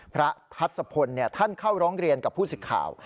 พระทัศพลท่านเข้าร้องเรียนกับผู้สิทธิ์ข่าว